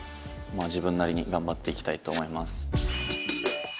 まあ自分なりに頑張っていきたいと思います。